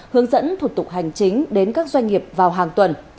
hướng dẫn thủ tục hành chính đến các doanh nghiệp vào hàng tuần